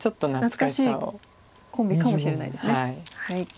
懐かしいコンビかもしれないですね。